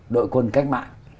đội quân cách mạng